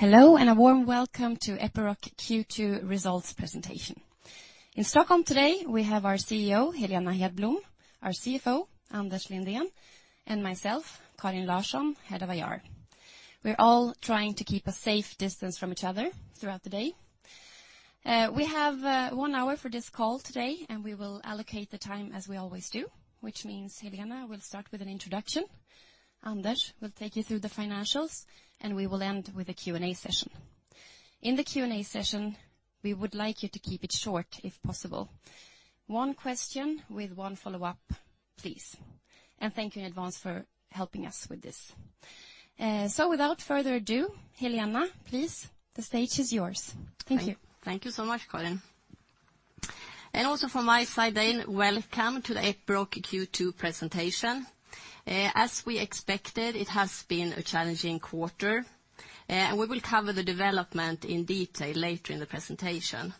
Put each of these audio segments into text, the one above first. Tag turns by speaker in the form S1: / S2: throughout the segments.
S1: Hello, a warm welcome to Epiroc Q2 results presentation. In Stockholm today, we have our CEO, Helena Hedblom, our CFO, Anders Lindén, and myself, Karin Larsson, head of IR. We're all trying to keep a safe distance from each other throughout the day. We have one hour for this call today, and we will allocate the time as we always do, which means Helena will start with an introduction, Anders will take you through the financials, and we will end with a Q&A session. In the Q&A session, we would like you to keep it short, if possible. One question with one follow-up, please. Thank you in advance for helping us with this. Without further ado, Helena, please, the stage is yours. Thank you.
S2: Thank you so much, Karin. Also from my side, welcome to the Epiroc Q2 presentation. As we expected, it has been a challenging quarter. We will cover the development in detail later in the presentation.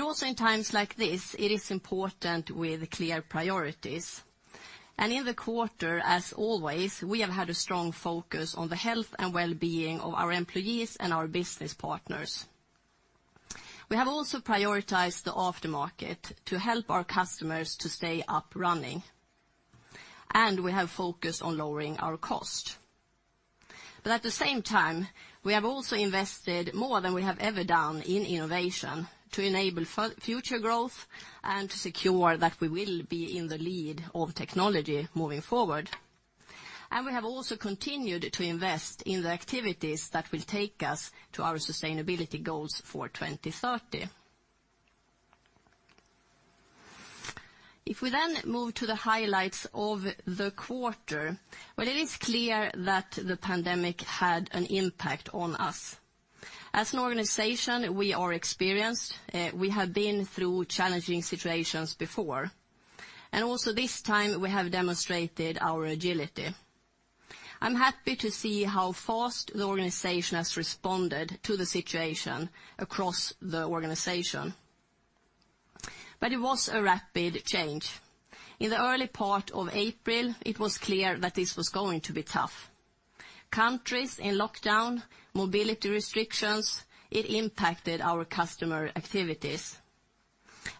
S2: Also in times like this, it is important with clear priorities. In the quarter, as always, we have had a strong focus on the health and wellbeing of our employees and our business partners. We have also prioritized the aftermarket to help our customers to stay up running. We have focused on lowering our cost. At the same time, we have also invested more than we have ever done in innovation to enable future growth and to secure that we will be in the lead of technology moving forward. We have also continued to invest in the activities that will take us to our sustainability goals for 2030. If we move to the highlights of the quarter. Well, it is clear that the pandemic had an impact on us. As an organization, we are experienced. We have been through challenging situations before, also this time we have demonstrated our agility. I'm happy to see how fast the organization has responded to the situation across the organization. It was a rapid change. In the early part of April, it was clear that this was going to be tough. Countries in lockdown, mobility restrictions, it impacted our customer activities.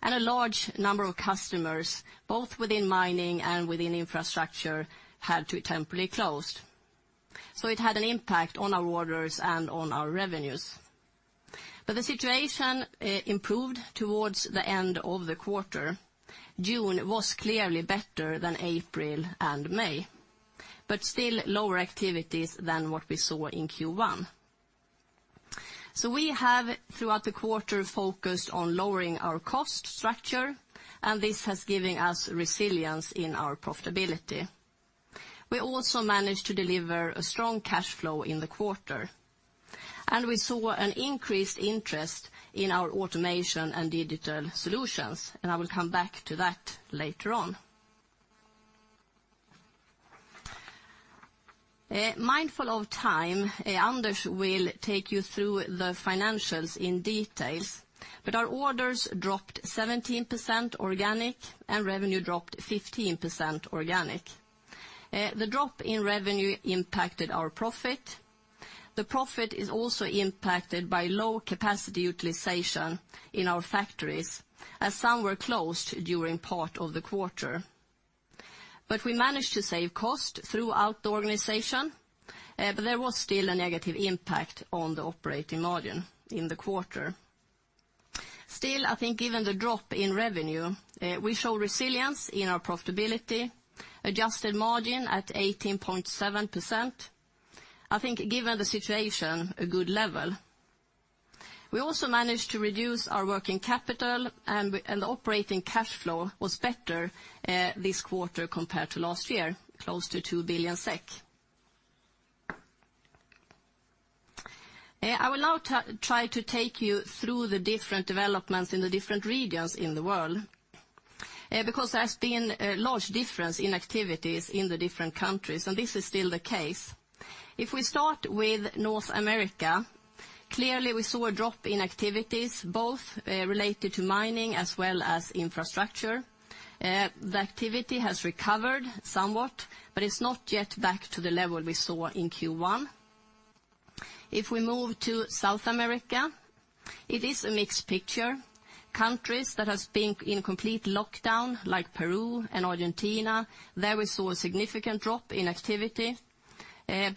S2: A large number of customers, both within mining and within infrastructure, had to temporarily close. It had an impact on our orders and on our revenues. The situation improved towards the end of the quarter. June was clearly better than April and May, still lower activities than what we saw in Q1. We have, throughout the quarter, focused on lowering our cost structure, and this has given us resilience in our profitability. We also managed to deliver a strong cash flow in the quarter, and we saw an increased interest in our automation and digital solutions, and I will come back to that later on. Mindful of time, Anders will take you through the financials in details, our orders dropped 17% organic and revenue dropped 15% organic. The drop in revenue impacted our profit. The profit is also impacted by low capacity utilization in our factories as some were closed during part of the quarter. We managed to save cost throughout the organization, there was still a negative impact on the operating margin in the quarter. I think given the drop in revenue, we show resilience in our profitability. Adjusted margin at 18.7%. I think given the situation, a good level. We also managed to reduce our working capital and the operating cash flow was better this quarter compared to last year, close to 2 billion SEK. I will now try to take you through the different developments in the different regions in the world. There's been a large difference in activities in the different countries, and this is still the case. If we start with North America, clearly we saw a drop in activities, both related to mining as well as infrastructure. The activity has recovered somewhat, but it's not yet back to the level we saw in Q1. If we move to South America, it is a mixed picture. Countries that have been in complete lockdown, like Peru and Argentina, there we saw a significant drop in activity.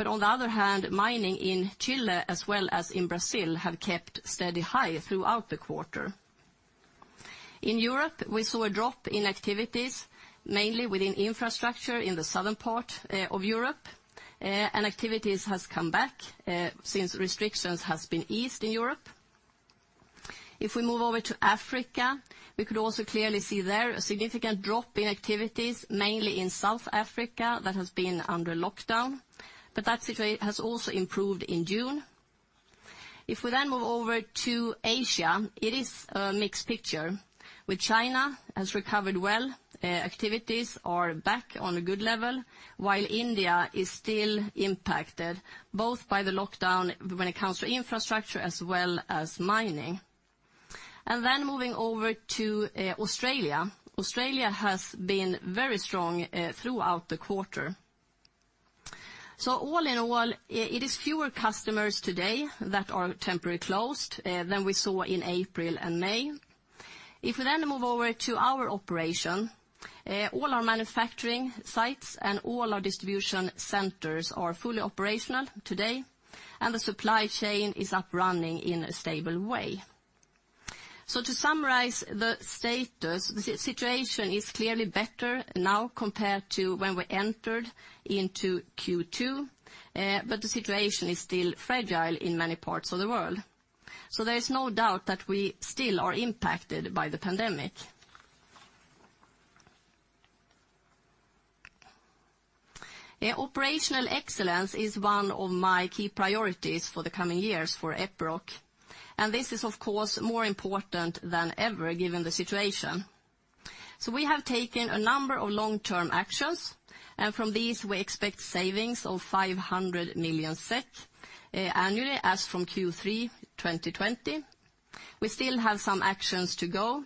S2: On the other hand, mining in Chile as well as in Brazil have kept steady high throughout the quarter. In Europe, we saw a drop in activities, mainly within infrastructure in the southern part of Europe, and activities have come back since restrictions have been eased in Europe. If we move over to Africa, we could also clearly see there a significant drop in activities, mainly in South Africa, that has been under lockdown, but that situation has also improved in June. If we move over to Asia, it is a mixed picture with China has recovered well, activities are back on a good level, while India is still impacted both by the lockdown when it comes to infrastructure as well as mining. Moving over to Australia. Australia has been very strong throughout the quarter. All in all, it is fewer customers today that are temporarily closed than we saw in April and May. If we then move over to our operation, all our manufacturing sites and all our distribution centers are fully operational today, and the supply chain is up running in a stable way. To summarize the status, the situation is clearly better now compared to when we entered into Q2, but the situation is still fragile in many parts of the world. There is no doubt that we still are impacted by the pandemic. Operational excellence is one of my key priorities for the coming years for Epiroc, and this is, of course, more important than ever given the situation. We have taken a number of long-term actions, and from these we expect savings of 500 million SEK annually as from Q3 2020. We still have some actions to go.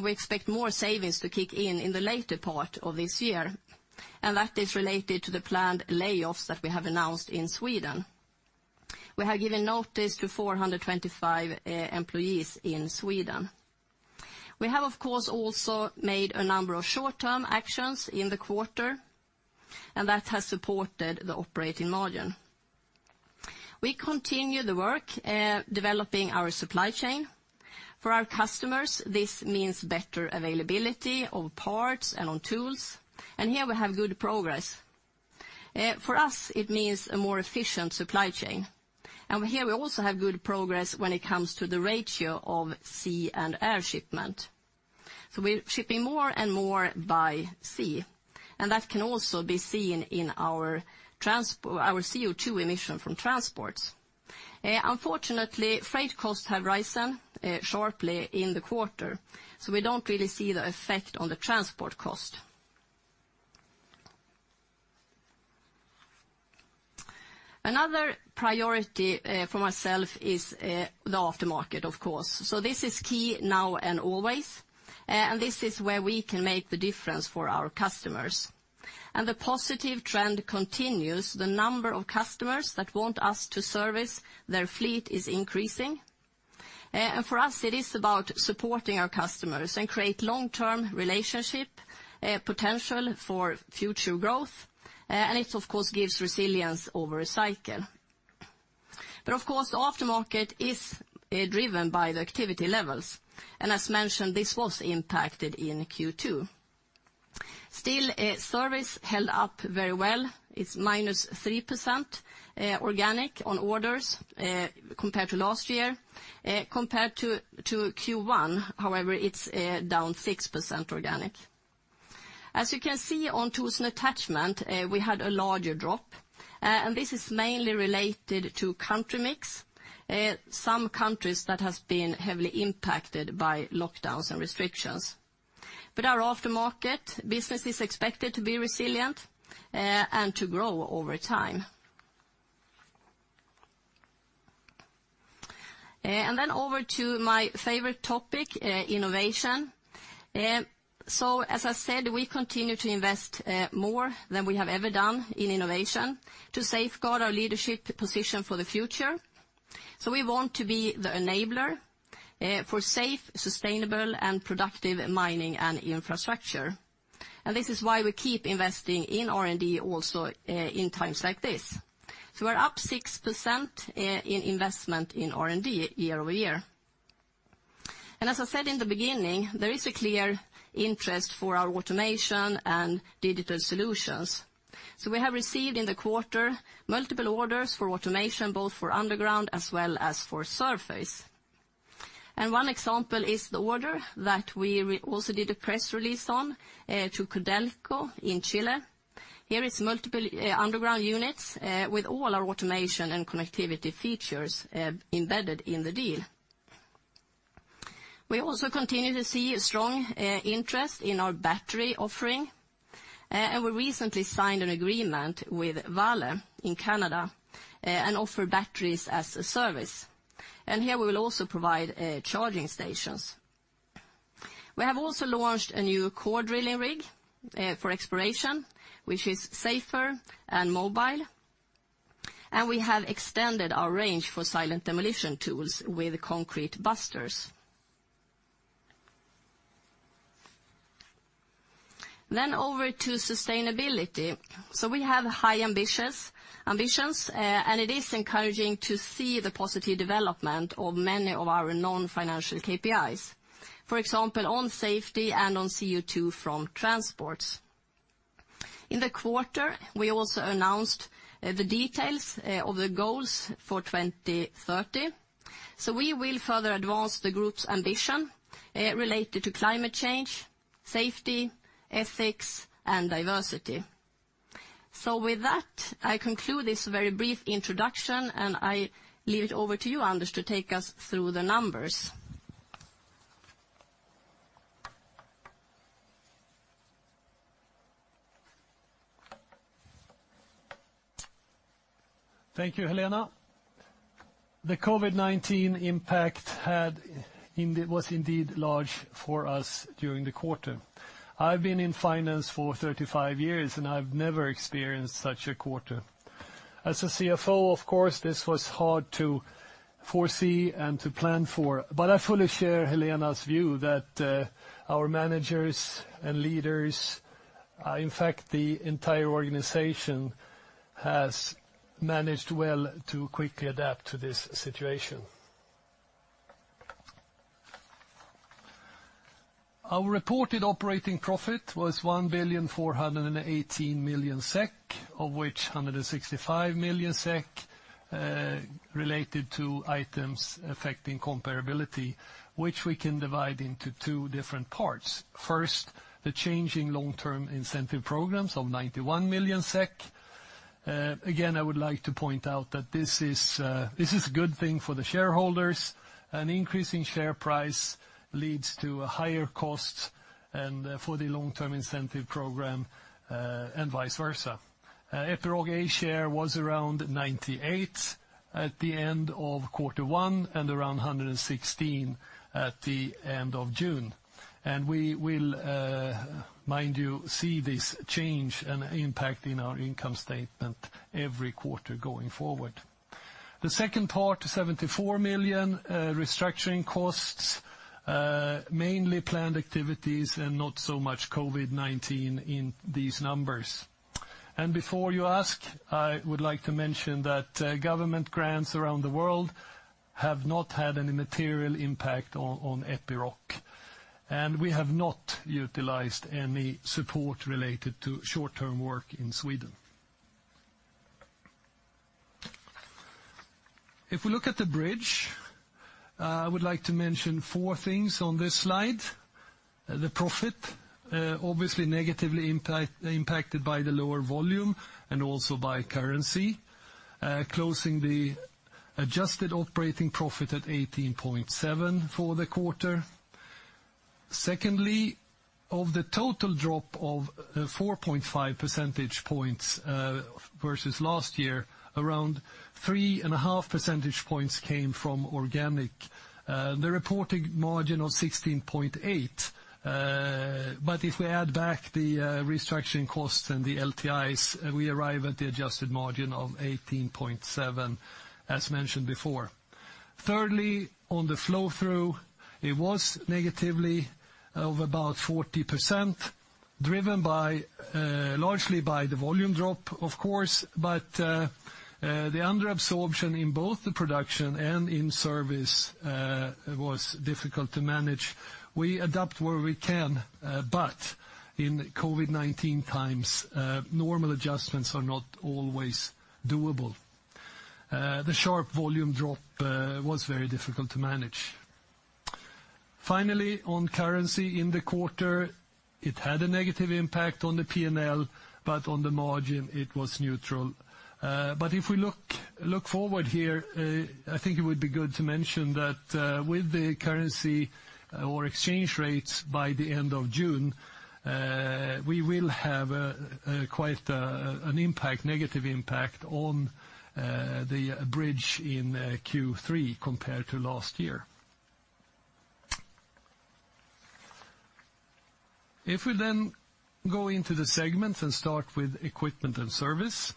S2: We expect more savings to kick in in the later part of this year. That is related to the planned layoffs that we have announced in Sweden. We have given notice to 425 employees in Sweden. We have, of course, also made a number of short-term actions in the quarter. That has supported the operating margin. We continue the work developing our supply chain. For our customers, this means better availability of parts and on tools. Here we have good progress. For us, it means a more efficient supply chain. Here we also have good progress when it comes to the ratio of sea and air shipment. We're shipping more and more by sea. That can also be seen in our CO2 emission from transports. Unfortunately, freight costs have risen sharply in the quarter, we don't really see the effect on the transport cost. Another priority for myself is the aftermarket, of course. This is key now and always, and this is where we can make the difference for our customers. The positive trend continues. The number of customers that want us to service their fleet is increasing. For us, it is about supporting our customers and create long-term relationship potential for future growth, and it, of course, gives resilience over a cycle. Of course, the aftermarket is driven by the activity levels. As mentioned, this was impacted in Q2. Still, service held up very well. It's -3% organic on orders compared to last year. Compared to Q1, however, it's down 6% organic. As you can see on tools and attachment, we had a larger drop, and this is mainly related to country mix. Some countries that have been heavily impacted by lockdowns and restrictions. Our aftermarket business is expected to be resilient and to grow over time. Over to my favorite topic, innovation. As I said, we continue to invest more than we have ever done in innovation to safeguard our leadership position for the future. We want to be the enabler for safe, sustainable, and productive mining and infrastructure. This is why we keep investing in R&D also in times like this. We're up 6% in investment in R&D year-over-year. As I said in the beginning, there is a clear interest for our automation and digital solutions. We have received in the quarter multiple orders for automation, both for underground as well as for surface. One example is the order that we also did a press release on to Codelco in Chile. Here it's multiple underground units with all our automation and connectivity features embedded in the deal. We also continue to see strong interest in our battery offering, and we recently signed an agreement with Vale in Canada and offer batteries as a service. Here we will also provide charging stations. We have also launched a new core drilling rig for exploration, which is safer and mobile, and we have extended our range for silent demolition tools with Concrete Busters. Over to sustainability. We have high ambitions, and it is encouraging to see the positive development of many of our non-financial KPIs. For example, on safety and on CO2 from transports. In the quarter, we also announced the details of the goals for 2030. We will further advance the group's ambition related to climate change, safety, ethics, and diversity. With that, I conclude this very brief introduction, and I leave it over to you, Anders, to take us through the numbers.
S3: Thank you, Helena. The COVID-19 impact was indeed large for us during the quarter. I've been in finance for 35 years, and I've never experienced such a quarter. As a CFO, of course, this was hard to foresee and to plan for, but I fully share Helena's view that our managers and leaders, in fact, the entire organization, has managed well to quickly adapt to this situation. Our reported operating profit was 1.418 billion, of which 165 million SEK related to items affecting comparability, which we can divide into two different parts. First, the change in Long-Term Incentive programs of 91 million SEK. Again, I would like to point out that this is a good thing for the shareholders. An increase in share price leads to a higher cost and for the Long-Term Incentive program, and vice versa. Epiroc A share was around 98 at the end of quarter one and around 116 at the end of June. We will, mind you, see this change and impact in our income statement every quarter going forward. The second part, 74 million restructuring costs, mainly planned activities and not so much COVID-19 in these numbers. Before you ask, I would like to mention that government grants around the world have not had any material impact on Epiroc. We have not utilized any support related to short-term work in Sweden. If we look at the bridge, I would like to mention four things on this slide. The profit, obviously negatively impacted by the lower volume and also by currency. Closing the adjusted operating profit at 18.7 for the quarter. Of the total drop of 4.5 percentage points versus last year, around three and a half percentage points came from organic. The reported margin of 16.8%, but if we add back the restructuring costs and the LTIs, we arrive at the adjusted margin of 18.7%, as mentioned before. On the flow-through, it was negatively of about 40%, driven largely by the volume drop, of course, but the under absorption in both the production and in service was difficult to manage. We adapt where we can, but in COVID-19 times, normal adjustments are not always doable. The sharp volume drop was very difficult to manage. On currency in the quarter, it had a negative impact on the P&L, but on the margin, it was neutral. If we look forward here, I think it would be good to mention that with the currency or exchange rates by the end of June, we will have quite a negative impact on the bridge in Q3 compared to last year. If we then go into the segments and start with equipment and service.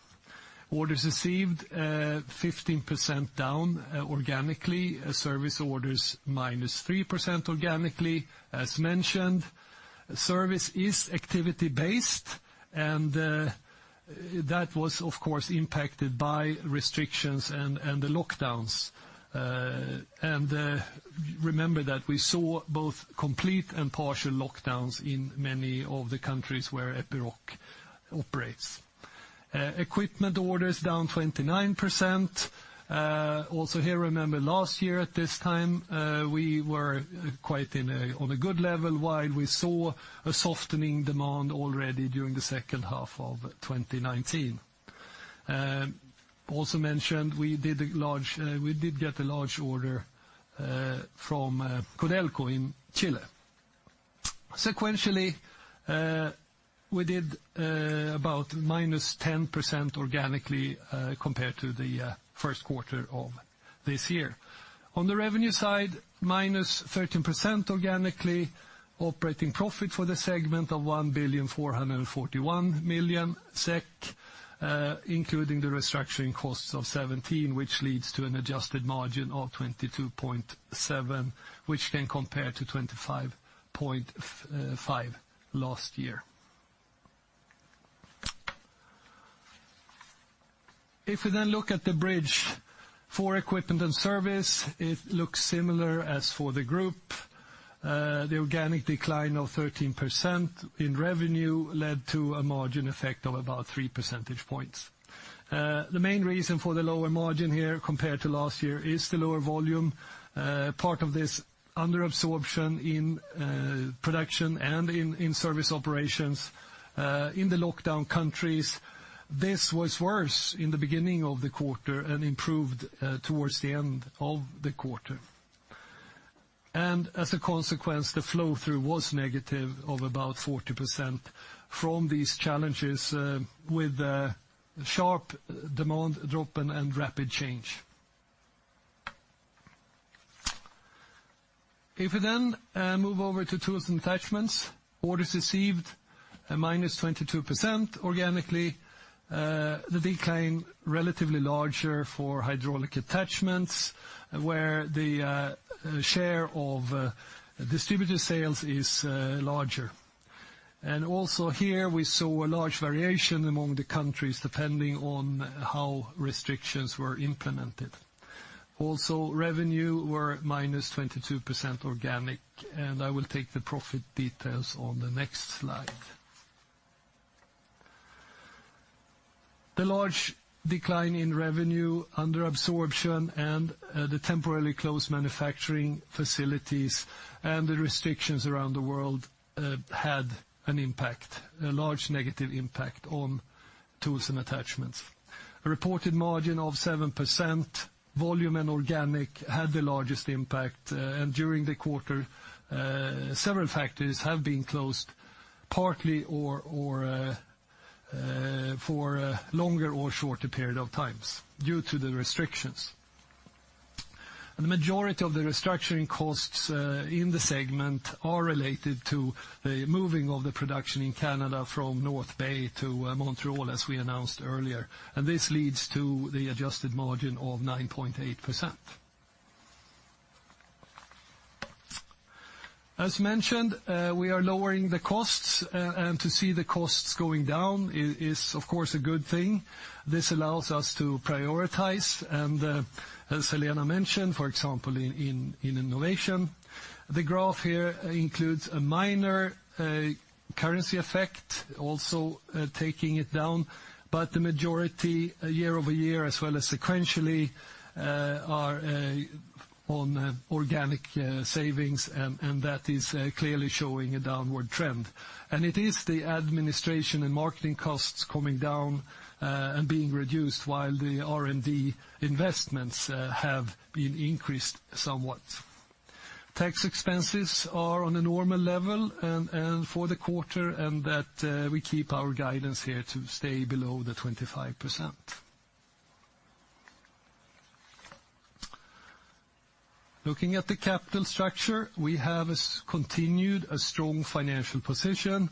S3: Orders received, 15% down organically. Service orders, -3% organically, as mentioned. Service is activity based, and that was of course impacted by restrictions and the lockdowns. Remember that we saw both complete and partial lockdowns in many of the countries where Epiroc operates. Equipment orders down 29%. Also here, remember last year at this time, we were quite on a good level while we saw a softening demand already during the second half of 2019. Also mentioned, we did get a large order from Codelco in Chile. Sequentially, we did about -10% organically compared to the first quarter of this year. On the revenue side, -13% organically. Operating profit for the segment of 1.441 million SEK, including the restructuring costs of 17, which leads to an adjusted margin of 22.7%, which then compare to 25.5% last year. If we then look at the bridge for equipment and service, it looks similar as for the group. The organic decline of 13% in revenue led to a margin effect of about three percentage points. The main reason for the lower margin here compared to last year is the lower volume. Part of this under absorption in production and in service operations in the lockdown countries. This was worse in the beginning of the quarter and improved towards the end of the quarter. As a consequence, the flow through was negative of about 40% from these challenges with a sharp demand drop and rapid change. If we then move over to tools and attachments, orders received a -22% organically. The decline relatively larger for hydraulic attachments where the share of distributor sales is larger. Also here we saw a large variation among the countries, depending on how restrictions were implemented. Also, revenue were -22% organic, and I will take the profit details on the next slide. The large decline in revenue under absorption and the temporarily closed manufacturing facilities and the restrictions around the world had an impact, a large negative impact on tools and attachments. A reported margin of 7%, volume and organic had the largest impact and during the quarter, several factories have been closed, partly or for longer or shorter period of times due to the restrictions. The majority of the restructuring costs in the segment are related to the moving of the production in Canada from North Bay to Montreal as we announced earlier. This leads to the adjusted margin of 9.8%. As mentioned, we are lowering the costs and to see the costs going down is of course a good thing. This allows us to prioritize and as Helena mentioned, for example, in innovation. The graph here includes a minor currency effect, also taking it down, but the majority year-over-year as well as sequentially are on organic savings and that is clearly showing a downward trend. It is the administration and marketing costs coming down and being reduced while the R&D investments have been increased somewhat. Tax expenses are on a normal level for the quarter, we keep our guidance here to stay below the 25%. Looking at the capital structure, we have continued a strong financial position.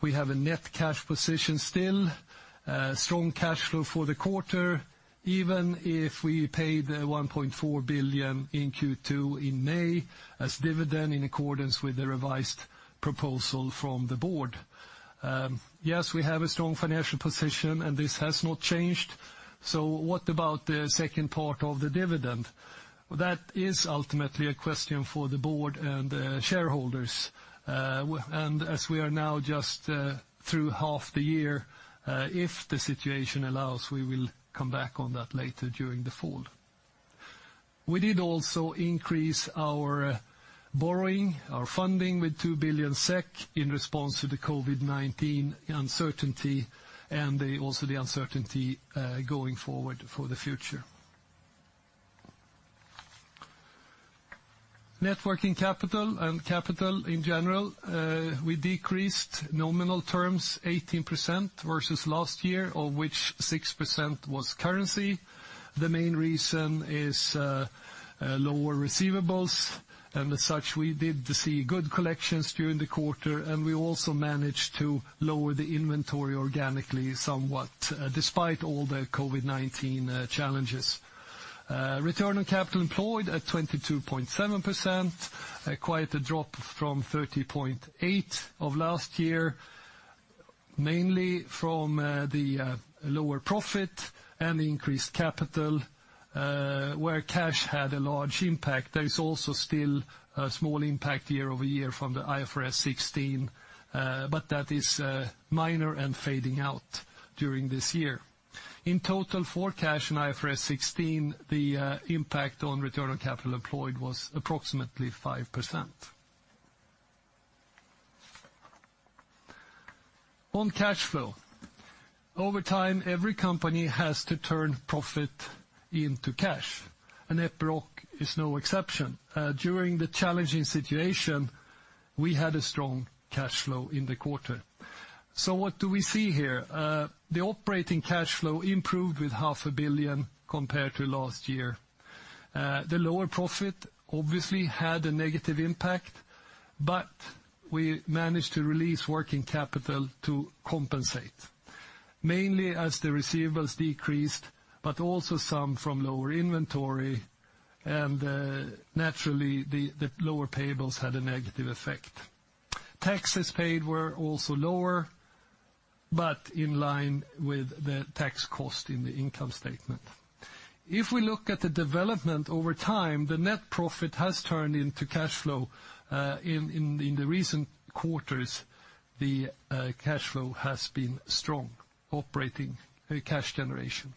S3: We have a net cash position still, strong cash flow for the quarter, even if we paid 1.4 billion in Q2 in May as dividend in accordance with the revised proposal from the board. Yes, we have a strong financial position, this has not changed. What about the second part of the dividend? That is ultimately a question for the board and shareholders. As we are now just through half the year, if the situation allows, we will come back on that later during the fall. We did also increase our borrowing, our funding with 2 billion SEK in response to the COVID-19 uncertainty and also the uncertainty going forward for the future. Net working capital and capital in general, we decreased nominal terms 18% versus last year, of which 6% was currency. The main reason is lower receivables, and as such, we did see good collections during the quarter, and we also managed to lower the inventory organically somewhat, despite all the COVID-19 challenges. Return on capital employed at 22.7%, quite a drop from 30.8% of last year, mainly from the lower profit and increased capital, where cash had a large impact. There is also still a small impact year-over-year from the IFRS 16, but that is minor and fading out during this year. In total, for cash and IFRS 16, the impact on return on capital employed was approximately 5%. On cash flow. Over time, every company has to turn profit into cash, and Epiroc is no exception. During the challenging situation, we had a strong cash flow in the quarter. What do we see here? The operating cash flow improved with half a billion SEK compared to last year. The lower profit obviously had a negative impact, but we managed to release working capital to compensate, mainly as the receivables decreased, but also some from lower inventory and naturally the lower payables had a negative effect. Taxes paid were also lower, but in line with the tax cost in the income statement. If we look at the development over time, the net profit has turned into cash flow. In the recent quarters, the cash flow has been strong operating cash generation.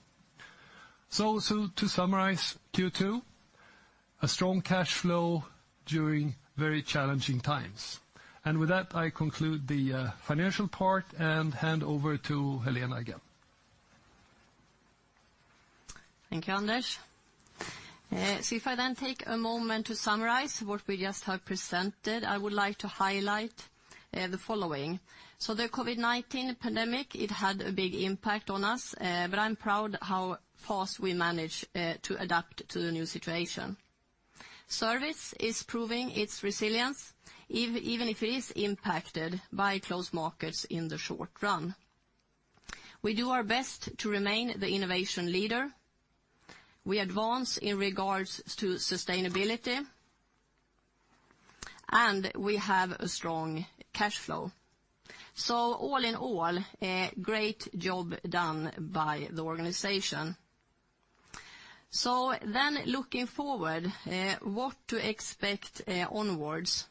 S3: To summarize Q2, a strong cash flow during very challenging times. With that, I conclude the financial part and hand over to Helena again.
S2: Thank you, Anders. If I then take a moment to summarize what we just have presented, I would like to highlight the following. The COVID-19 pandemic, it had a big impact on us, but I'm proud how fast we managed to adapt to the new situation. Service is proving its resilience, even if it is impacted by closed markets in the short run. We do our best to remain the innovation leader. We advance in regards to sustainability, and we have a strong cash flow. All in all, a great job done by the organization. Looking forward, what to expect onwards.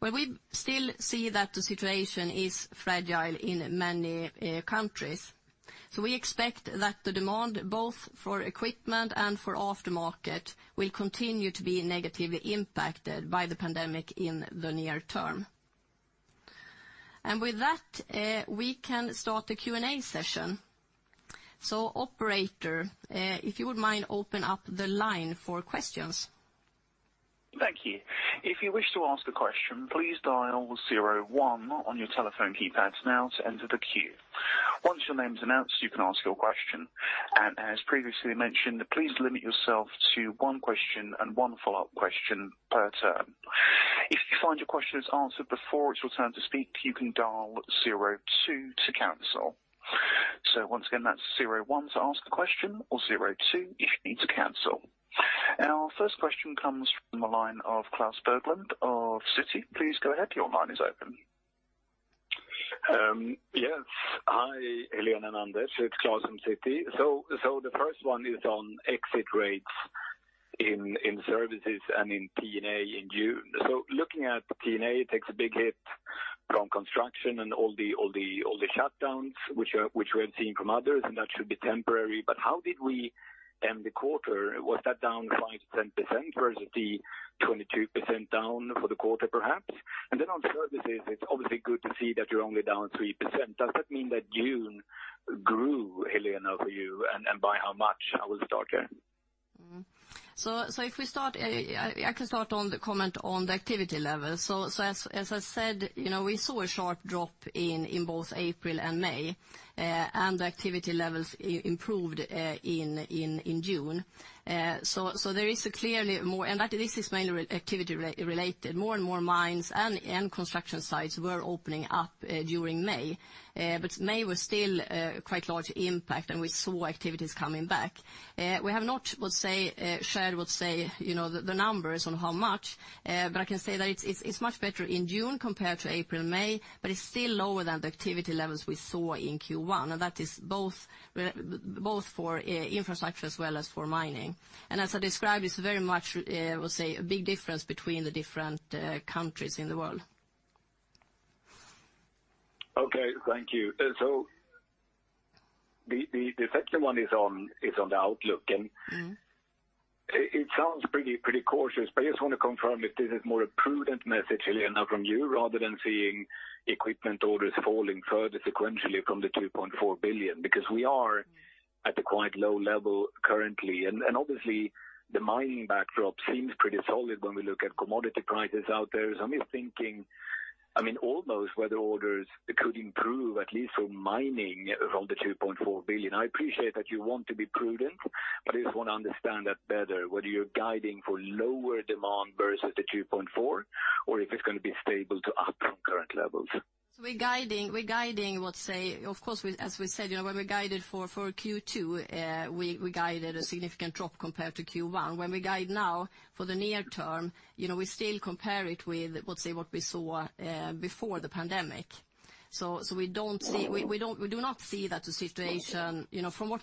S2: Well, we still see that the situation is fragile in many countries. We expect that the demand both for equipment and for aftermarket will continue to be negatively impacted by the pandemic in the near term. With that, we can start the Q&A session. Operator, if you would mind, open up the line for questions.
S4: Thank you. If you wish to ask a question, please dial zero one on your telephone keypads now to enter the queue. Once your name's announced, you can ask your question. As previously mentioned, please limit yourself to one question and one follow-up question per turn. If you find your question is answered before it's your turn to speak, you can dial zero two to cancel. Once again, that's zero one to ask the question, or zero two if you need to cancel. Our first question comes from the line of Klas Bergelind of Citi. Please go ahead. Your line is open.
S5: Yes. Hi, Helena and Anders. It's Klas from Citi. The first one is on exit rates in services and in P&A in June. Looking at P&A, it takes a big hit from construction and all the shutdowns, which we have seen from others, and that should be temporary. How did we end the quarter? Was that down 5%-10% versus the 22% down for the quarter, perhaps? On services, it's obviously good to see that you're only down 3%. Does that mean that June grew, Helena, for you, and by how much? I will start there.
S2: I can start on the comment on the activity level. As I said, we saw a sharp drop in both April and May, and the activity levels improved in June. There is clearly more, and this is mainly activity-related. More and more mines and construction sites were opening up during May. May was still quite large impact and we saw activities coming back. We have not shared the numbers on how much, but I can say that it's much better in June compared to April, May, but it's still lower than the activity levels we saw in Q1. Now, that is both for infrastructure as well as for mining. As I described, it's very much, I will say, a big difference between the different countries in the world.
S5: Thank you. The second one is on the outlook, it sounds pretty cautious, I just want to confirm if this is more a prudent message, Helena, from you, rather than seeing equipment orders falling further sequentially from the 2.4 billion, we are at a quite low level currently, obviously, the mining backdrop seems pretty solid when we look at commodity prices out there. I'm just thinking, I mean, almost whether orders could improve at least for mining from the 2.4 billion. I appreciate that you want to be prudent, I just want to understand that better, whether you're guiding for lower demand versus the 2.4 billion or if it's going to be stable to up from current levels.
S2: We're guiding, of course, as we said, when we guided for Q2, we guided a significant drop compared to Q1. When we guide now for the near term, we still compare it with, let's say, what we saw before the pandemic. From what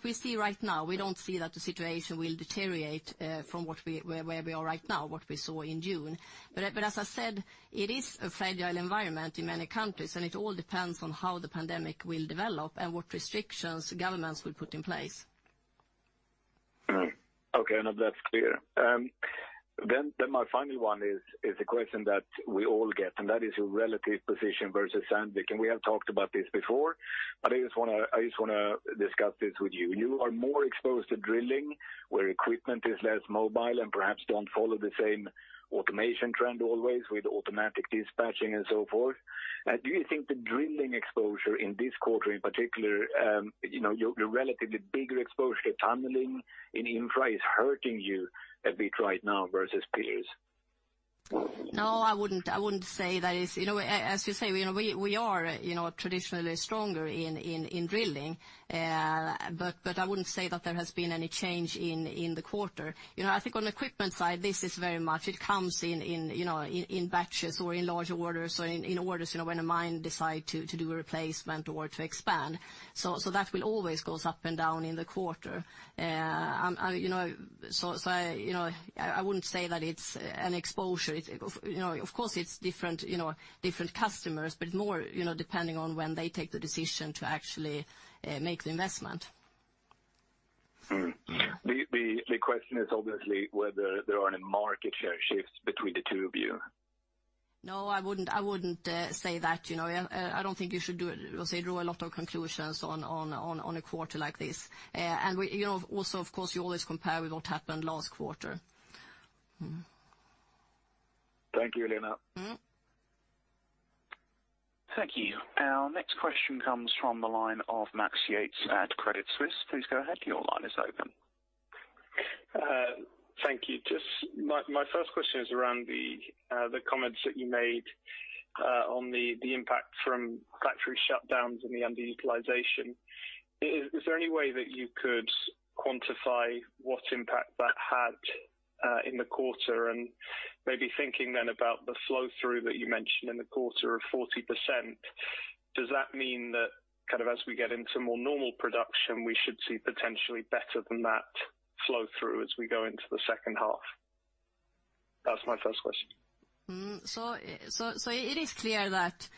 S2: we see right now, we don't see that the situation will deteriorate from where we are right now, what we saw in June. As I said, it is a fragile environment in many countries, and it all depends on how the pandemic will develop and what restrictions governments will put in place.
S5: Okay. Now that's clear. My final one is a question that we all get, and that is your relative position versus Sandvik. We have talked about this before, but I just want to discuss this with you. You are more exposed to drilling where equipment is less mobile and perhaps don't follow the same automation trend always with automatic dispatching and so forth. Do you think the drilling exposure in this quarter, in particular, your relatively bigger exposure to tunneling in infra is hurting you a bit right now versus peers?
S2: No, I wouldn't say that. As you say, we are traditionally stronger in drilling, but I wouldn't say that there has been any change in the quarter. I think on the equipment side, this is very much, it comes in batches or in larger orders or in orders when a mine decide to do a replacement or to expand. That will always goes up and down in the quarter. I wouldn't say that it's an exposure. Of course, it's different customers, but more depending on when they take the decision to actually make the investment.
S5: The question is obviously whether there are any market share shifts between the two of you?
S2: No, I wouldn't say that. I don't think you should, let's say, draw a lot of conclusions on a quarter like this. Also, of course, you always compare with what happened last quarter. Mm-hmm.
S5: Thank you, Helena.
S4: Thank you. Our next question comes from the line of Max Yates at Credit Suisse. Please go ahead. Your line is open.
S6: Thank you. My first question is around the comments that you made on the impact from factory shutdowns and the underutilization. Is there any way that you could quantify what impact that had in the quarter? Maybe thinking then about the flow-through that you mentioned in the quarter of 40%, does that mean that as we get into more normal production, we should see potentially better than that flow-through as we go into the second half? That's my first question.
S2: It is clear that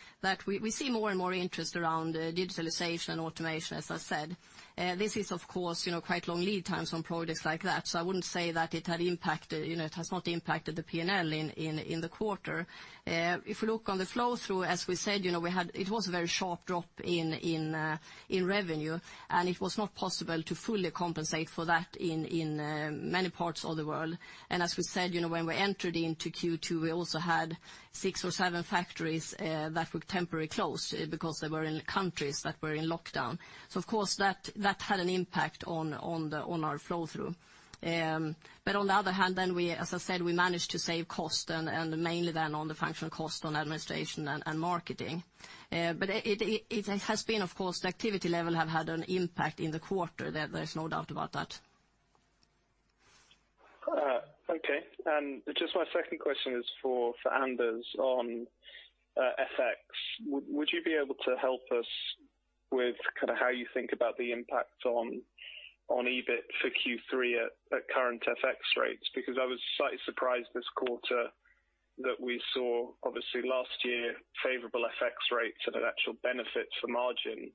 S2: we see more and more interest around digitalization and automation, as I said. This is, of course, quite long lead times on projects like that, so I wouldn't say that it had impact. It has not impacted the P&L in the quarter. If you look on the flow-through, as we said, it was a very sharp drop in revenue, and it was not possible to fully compensate for that in many parts of the world. As we said, when we entered into Q2, we also had six or seven factories that were temporarily closed because they were in countries that were in lockdown. Of course, that had an impact on our flow-through. On the other hand, as I said, we managed to save cost and mainly then on the functional cost on administration and marketing. It has been, of course, the activity level have had an impact in the quarter. There's no doubt about that.
S6: Okay. Just my second question is for Anders on FX. Would you be able to help us with how you think about the impact on EBIT for Q3 at current FX rates? I was slightly surprised this quarter that we saw, obviously last year, favorable FX rates and an actual benefit for margin.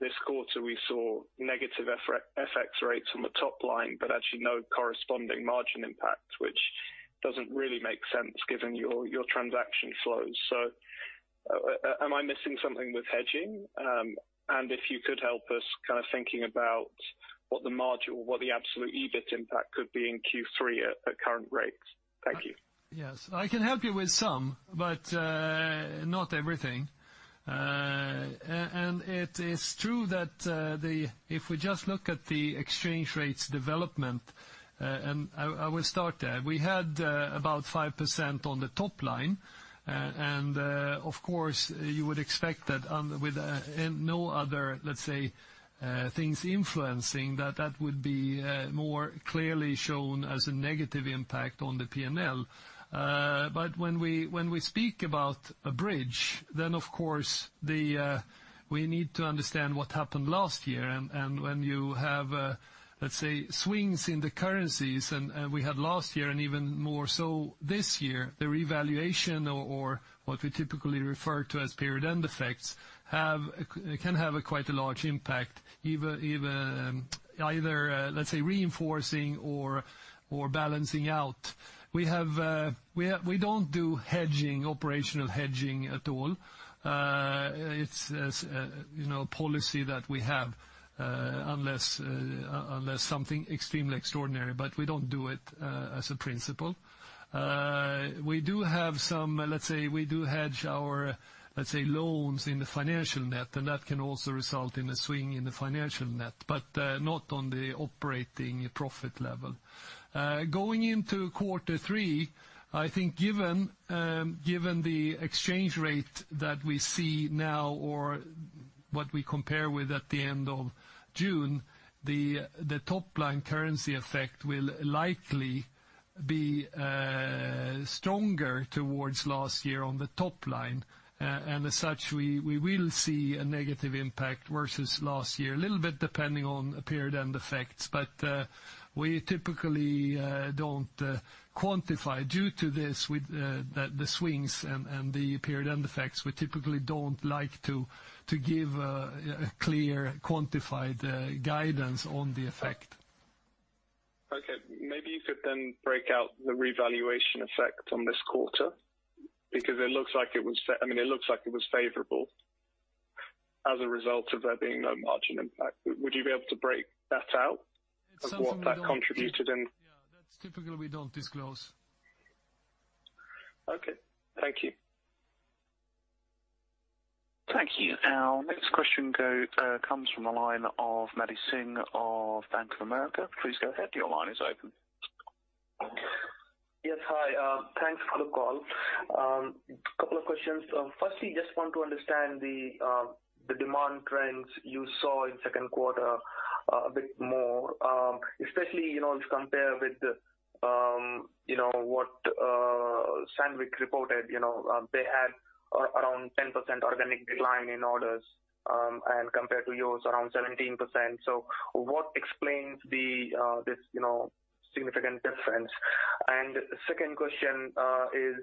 S6: This quarter, we saw -FX rates on the top line, but actually no corresponding margin impact, which doesn't really make sense given your transaction flows. Am I missing something with hedging? If you could help us kind of thinking about what the margin or what the absolute EBIT impact could be in Q3 at current rates. Thank you.
S3: Yes, I can help you with some, but not everything. It is true that if we just look at the exchange rates development, I will start there. We had about 5% on the top line, and of course you would expect that with no other, let's say, things influencing, that that would be more clearly shown as a negative impact on the P&L. When we speak about a bridge, of course, we need to understand what happened last year. When you have, let's say, swings in the currencies, and we had last year and even more so this year, the revaluation or what we typically refer to as period end effects can have a quite a large impact either, let's say, reinforcing or balancing out. We don't do operational hedging at all. It's a policy that we have unless something extremely extraordinary, but we don't do it as a principle. We do have some, let's say, we do hedge our loans in the financial net, and that can also result in a swing in the financial net, but not on the operating profit level. Going into Q3, I think given the exchange rate that we see now or what we compare with at the end of June, the top line currency effect will likely be stronger towards last year on the top line. As such, we will see a negative impact versus last year, a little bit depending on period end effects, but we typically don't quantify due to this with the swings and the period end effects. We typically don't like to give a clear quantified guidance on the effect.
S6: Okay, maybe you could then break out the revaluation effect on this quarter because it looks like it was favorable as a result of there being no margin impact. Would you be able to break that out of what that contributed?
S3: Yeah, that's typically we don't disclose.
S6: Okay, thank you.
S4: Thank you. Our next question comes from the line of Maddy Singh of Bank of America. Please go ahead. Your line is open.
S7: Yes, hi. Thanks for the call. Couple of questions. Firstly, just want to understand the demand trends you saw in second quarter a bit more, especially if you compare with what Sandvik reported. They had around 10% organic decline in orders. Compared to yours, around 17%. What explains this significant difference? Second question is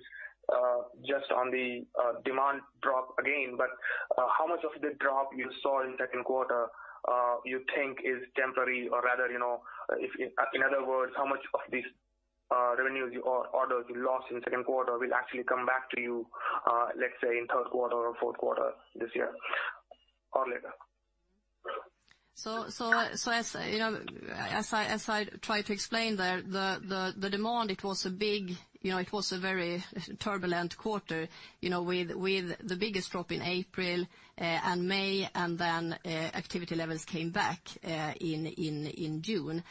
S7: just on the Demand drop again, how much of the drop you saw in second quarter, you think is temporary? Rather, in other words, how much of these revenues or orders you lost in second quarter will actually come back to you, let's say in third quarter or fourth quarter this year or later?
S2: As I try to explain there, the demand, it was a very turbulent quarter, with the biggest drop in April and May, and then activity levels came back in June.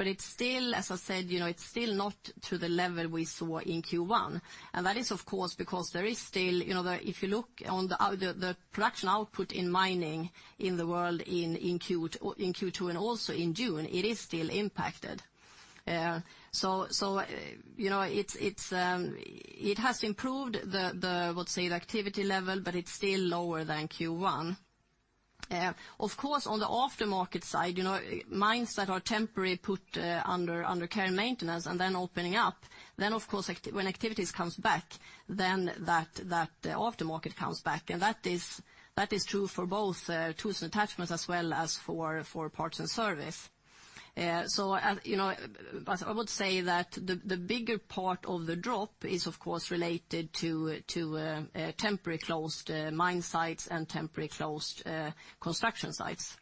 S2: It's still, as I said, it's still not to the level we saw in Q1. That is, of course, because there is still, if you look on the production output in mining in the world in Q2 and also in June, it is still impacted. It has improved the, I would say, the activity level, but it's still lower than Q1. On the aftermarket side, mines that are temporarily put under care and maintenance and then opening up, then of course, when activities comes back, then that aftermarket comes back. That is true for both tools and attachments as well as for parts and service. I would say that the bigger part of the drop is, of course, related to temporary closed mine sites and temporary closed construction sites.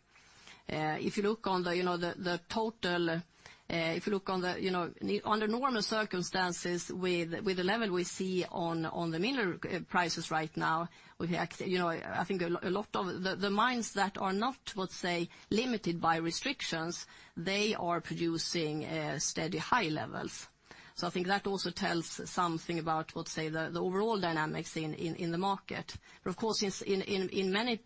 S2: If you look on the total, under normal circumstances with the level we see on the mineral prices right now, I think a lot of the mines that are not, let's say, limited by restrictions, they are producing steady high levels. I think that also tells something about, let's say, the overall dynamics in the market. Of course, in many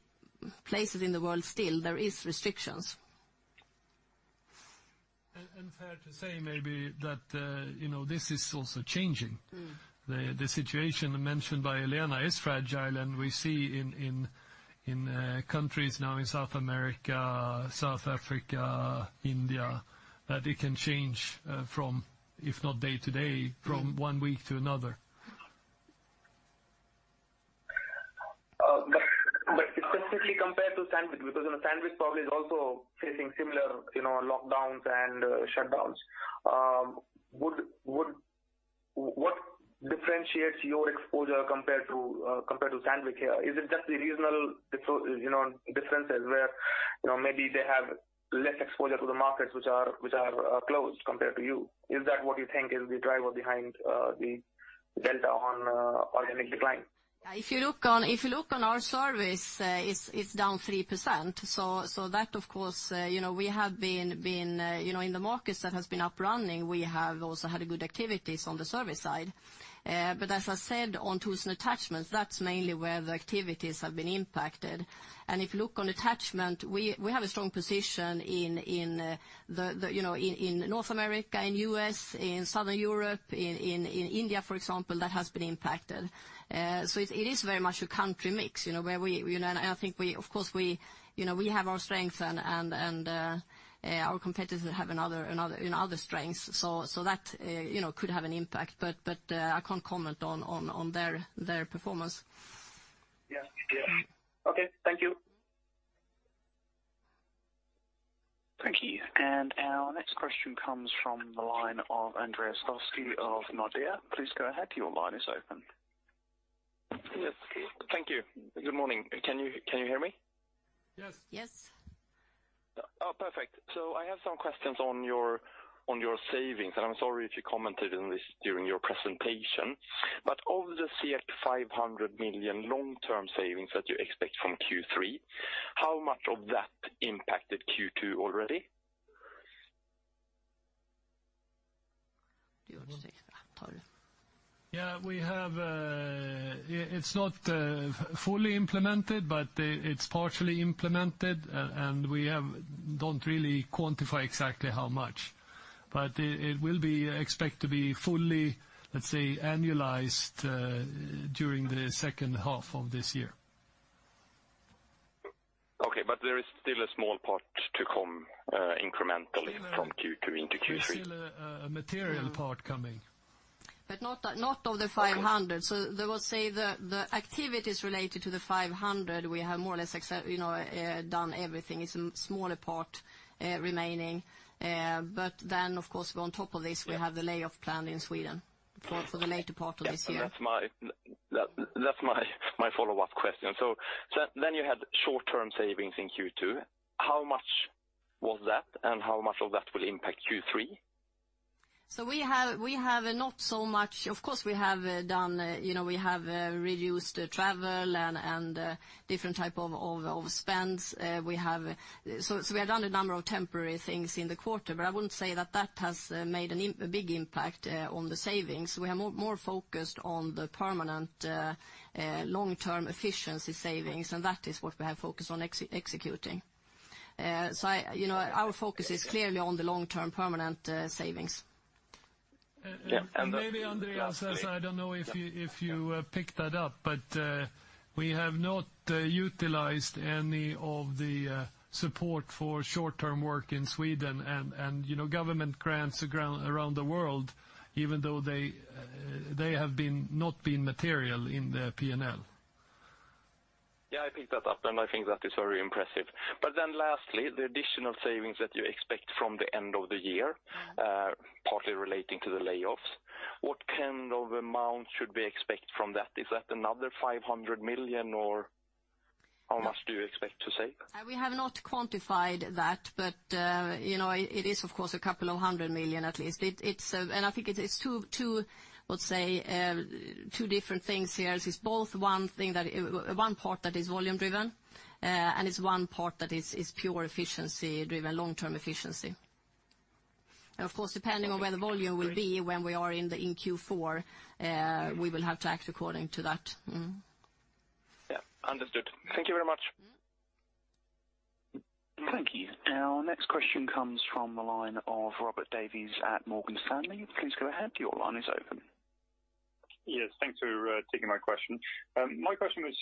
S2: places in the world, still there is restrictions.
S3: Fair to say maybe that this is also changing. The situation mentioned by Helena is fragile, and we see in countries now in South America, South Africa, India, that it can change from, if not day-to-day, from one week to another.
S7: Specifically compared to Sandvik, because Sandvik probably is also facing similar lockdowns and shutdowns. What differentiates your exposure compared to Sandvik here? Is it just the regional differences where maybe they have less exposure to the markets which are closed compared to you? Is that what you think is the driver behind the delta on organic decline?
S2: If you look on our service, it's down 3%. That, of course, in the markets that has been up running, we have also had good activities on the service side. As I said, on tools and attachments, that's mainly where the activities have been impacted. If you look on attachment, we have a strong position in North America, in U.S., in Southern Europe, in India, for example, that has been impacted. It is very much a country mix, and I think of course, we have our strengths and our competitors have other strengths. That could have an impact. I can't comment on their performance.
S7: Yeah. Okay. Thank you.
S4: Thank you. Our next question comes from the line of Andreas Koski of Nordea. Please go ahead. Your line is open.
S8: Yes. Thank you. Good morning. Can you hear me?
S3: Yes.
S2: Yes.
S8: Perfect. I have some questions on your savings, and I'm sorry if you commented on this during your presentation, but of the 500 million long-term savings that you expect from Q3, how much of that impacted Q2 already?
S3: Yeah, it's not fully implemented, but it's partially implemented, and we don't really quantify exactly how much. It will be expected to be fully, let's say, annualized, during the second half of this year.
S8: Okay. There is still a small part to come incrementally from Q2 into Q3.
S3: There's still a material part coming.
S2: Not of the 500 million.
S8: Okay.
S2: They will say the activities related to the 500 million, we have more or less done everything. It's a smaller part remaining. Of course, on top of this, we have the layoff plan in Sweden for the later part of this year.
S8: Yes. That's my follow-up question. You had short-term savings in Q2. How much was that, and how much of that will impact Q3?
S2: We have not so much. Of course, we have reduced travel and different type of spends. We have done a number of temporary things in the quarter, but I wouldn't say that that has made a big impact on the savings. We are more focused on the permanent long-term efficiency savings, and that is what we have focused on executing. Our focus is clearly on the long-term permanent savings.
S8: Yes.
S3: Maybe Andreas, I don't know if you picked that up. We have not utilized any of the support for short-term work in Sweden and government grants around the world, even though they have not been material in the P&L.
S8: Yeah, I picked that up, and I think that is very impressive. Lastly, the additional savings that you expect from the end of the year, partly relating to the layoffs, what kind of amount should we expect from that? Is that another 500 million, or how much do you expect to save?
S2: We have not quantified that, but it is, of course, a couple of 100 million at least. I think it's two different things here. It's both one part that is volume driven, and it's one part that is pure efficiency driven, long-term efficiency. Of course, depending on where the volume will be when we are in Q4, we will have to act according to that.
S8: Yeah. Understood. Thank you very much.
S4: Thank you. Our next question comes from the line of Robert Davies at Morgan Stanley. Please go ahead. Your line is open.
S9: Yes. Thank you for taking my question. My question was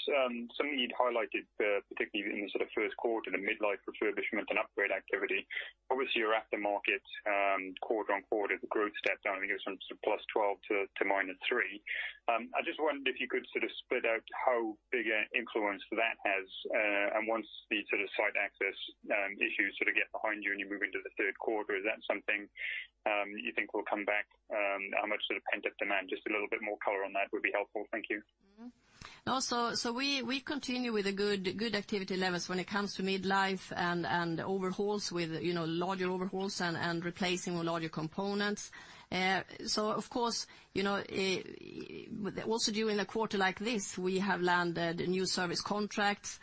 S9: something you'd highlighted, particularly in the sort of first quarter, the midlife refurbishment and upgrade activity. Obviously, you're at the market quarter-on-quarter. The growth stepped down, I think, it was from +12 to -3. I just wondered if you could sort of split out how big an influence that has. Once the sort of site access issues sort of get behind you and you move into the third quarter, is that something you think will come back? How much sort of pent-up demand? Just a little bit more color on that would be helpful. Thank you.
S2: We continue with the good activity levels when it comes to midlife and overhauls with larger overhauls and replacing larger components. Of course, also during a quarter like this, we have landed new service contracts,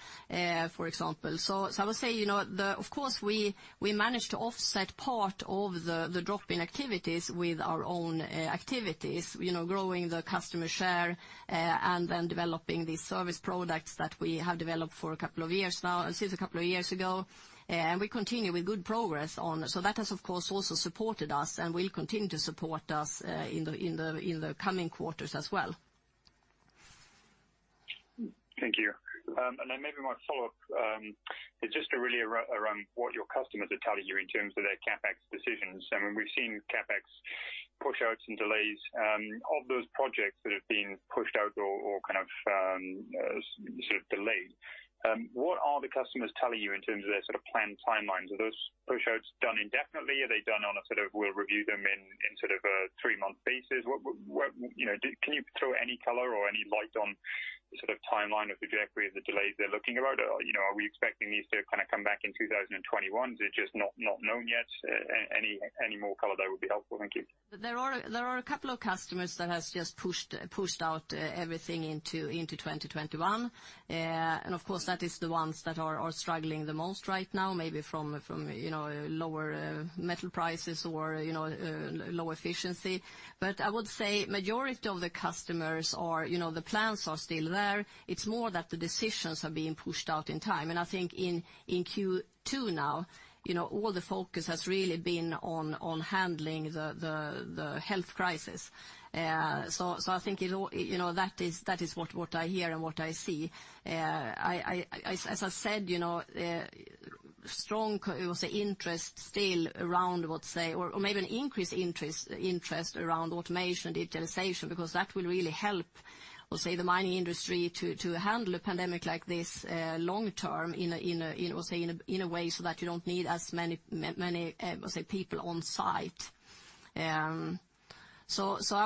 S2: for example. I would say, of course, we managed to offset part of the drop in activities with our own activities, growing the customer share and then developing these service products that we have developed for a couple of years now, since a couple of years ago. We continue with good progress on. That has, of course, also supported us and will continue to support us in the coming quarters as well.
S9: Thank you. Maybe my follow-up is just really around what your customers are telling you in terms of their CapEx decisions. I mean, we've seen CapEx pushouts and delays. Of those projects that have been pushed out or kind of delayed, what are the customers telling you in terms of their sort of planned timelines? Are those pushouts done indefinitely? Are they done on a sort of we'll review them in sort of a three-month basis? Can you throw any color or any light on the sort of timeline of the trajectory of the delays they're looking about? Are we expecting these to kind of come back in 2021? Is it just not known yet? Any more color there would be helpful. Thank you.
S2: There are a couple of customers that has just pushed out everything into 2021. Of course, that is the ones that are struggling the most right now, maybe from lower metal prices or low efficiency. I would say majority of the customers are, the plans are still there. It's more that the decisions are being pushed out in time. I think in Q2 now, all the focus has really been on handling the health crisis. I think that is what I hear and what I see. As I said, strong interest still around, or maybe an increased interest around automation, digitalization, because that will really help, the mining industry to handle a pandemic like this long term in a way so that you don't need as many people on site. I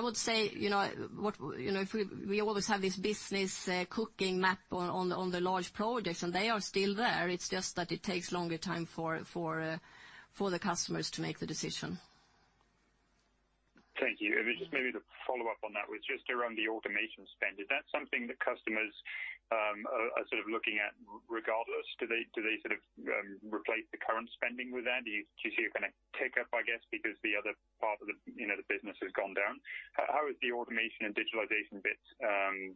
S2: would say, we always have this business cooking map on the large projects, and they are still there. It's just that it takes longer time for the customers to make the decision.
S9: Thank you. Just maybe to follow-up on that was just around the automation spend. Is that something that customers are sort of looking at regardless? Do they sort of replace the current spending with that? Do you see a kind of tick up, I guess, because the other part of the business has gone down? How has the automation and digitalization bit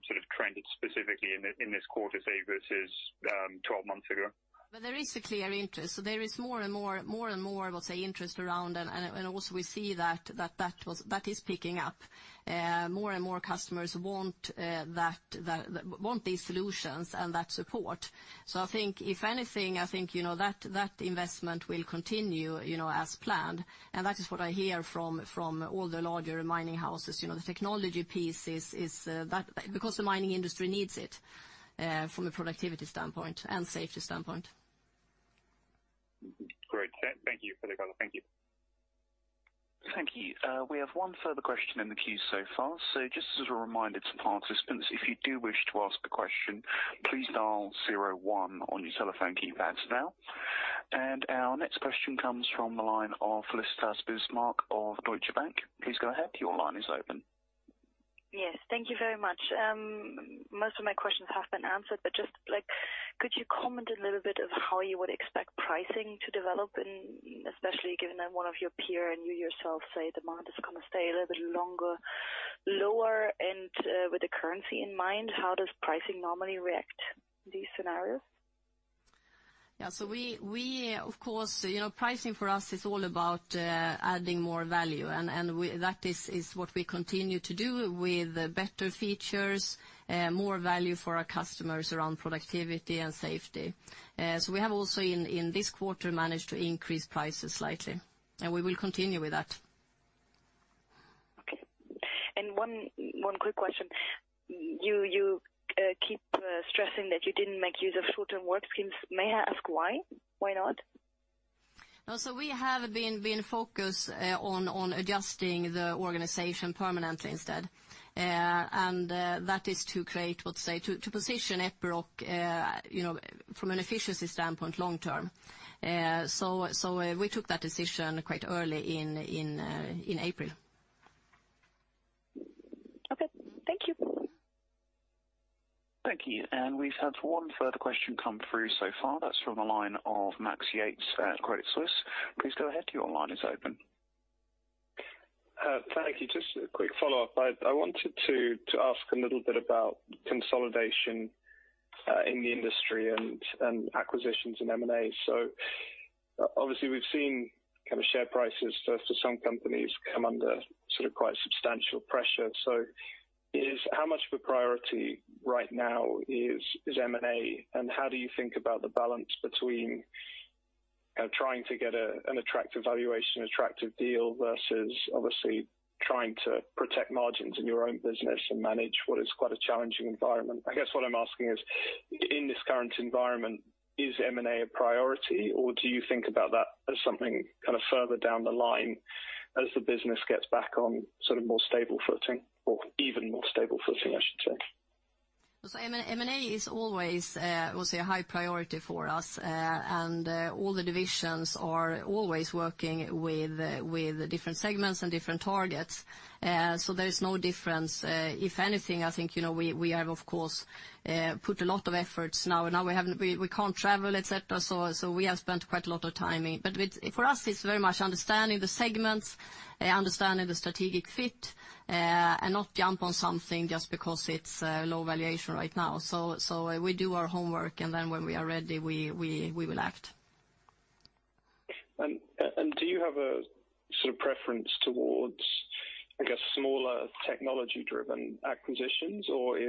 S9: sort of trended specifically in this quarter, say, versus 12 months ago?
S2: There is a clear interest. There is more and more, I would say, interest around, and also we see that is picking up. More and more customers want these solutions and that support. I think if anything, I think that investment will continue as planned, and that is what I hear from all the larger mining houses. The technology piece is that because the mining industry needs it from a productivity standpoint and safety standpoint.
S9: Great. Thank you for the color. Thank you.
S4: Thank you. We have one further question in the queue so far. Just as a reminder to participants, if you do wish to ask a question, please dial zero one on your telephone keypads now. Our next question comes from the line of Felicitas Bismarck of Deutsche Bank. Please go ahead. Your line is open.
S10: Yes. Thank you very much. Most of my questions have been answered, just could you comment a little bit of how you would expect pricing to develop, especially given that one of your peer and you yourself say demand is going to stay a little bit longer lower? With the currency in mind, how does pricing normally react to these scenarios?
S2: Yeah. Of course, pricing for us is all about adding more value. That is what we continue to do with better features, more value for our customers around productivity and safety. We have also in this quarter managed to increase prices slightly. We will continue with that.
S10: Okay. One quick question. You keep stressing that you didn't make use of short-term work schemes. May I ask why? Why not?
S2: We have been focused on adjusting the organization permanently instead. That is to position Epiroc from an efficiency standpoint long-term. We took that decision quite early in April.
S10: Okay. Thank you.
S4: Thank you. We've had one further question come through so far. That's from the line of Max Yates at Credit Suisse. Please go ahead, your line is open.
S6: Thank you. Just a quick follow-up. I wanted to ask a little bit about consolidation in the industry and acquisitions and M&A. Obviously we've seen share prices for some companies come under quite substantial pressure. How much of a priority right now is M&A and how do you think about the balance between trying to get an attractive valuation, attractive deal versus obviously trying to protect margins in your own business and manage what is quite a challenging environment? I guess what I'm asking is, in this current environment, is M&A a priority, or do you think about that as something further down the line as the business gets back on more stable footing or even more stable footing, I should say?
S2: M&A is always, I would say, a high priority for us, and all the divisions are always working with different segments and different targets. There is no difference. If anything, I think, we have of course, put a lot of efforts now, and now we can't travel, et cetera, so we have spent quite a lot of time. For us, it's very much understanding the segments, understanding the strategic fit, and not jump on something just because it's low valuation right now. We do our homework, and then when we are ready, we will act.
S6: Do you have a preference towards, I guess, smaller technology-driven acquisitions, or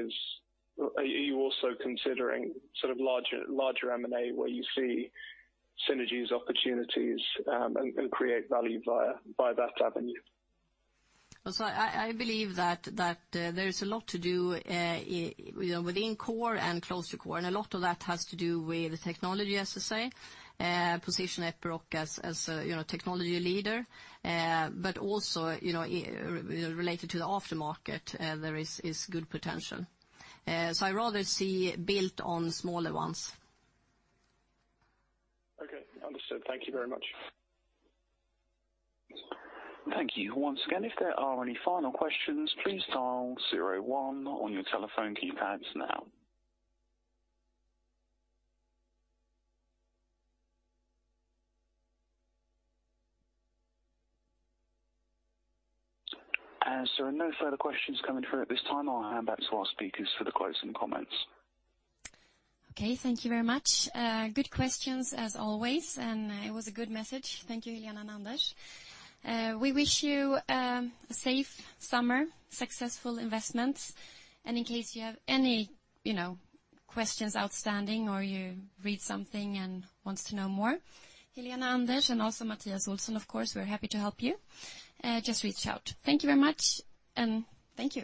S6: are you also considering larger M&A where you see synergies, opportunities, and create value by that avenue?
S2: I believe that there is a lot to do within core and close to core, and a lot of that has to do with technology, as to say, position Epiroc as a technology leader. Also, related to the aftermarket, there is good potential. I'd rather see built on smaller ones.
S6: Okay, understood. Thank you very much.
S4: Thank you. Once again, if there are any final questions, please dial zero one on your telephone keypads now. As there are no further questions coming through at this time, I'll hand back to our speakers for the closing comments.
S1: Okay, thank you very much. Good questions as always, and it was a good message. Thank you, Helena and Anders. We wish you a safe summer, successful investments, and in case you have any questions outstanding or you read something and want to know more, Helena, Anders, and also Mattias Olsson, of course, we're happy to help you. Just reach out. Thank you very much, and thank you